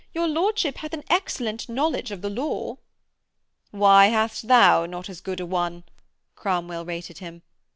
Your lordship hath an excellent knowledge of the law.' 'Why hast thou not as good a one?' Cromwell rated him.